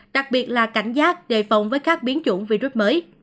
đặc biệt là cảnh giác đề phòng với các biến chủng virus mới